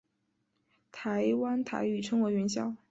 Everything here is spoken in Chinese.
台湾台语称为元宵。